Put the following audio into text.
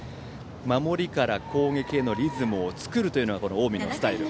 守りから攻撃へのリズムを作るというのが近江のスタイル。